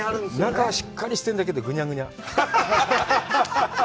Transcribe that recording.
中はしっかりしてるんだけど、ぐにゃぐにゃ。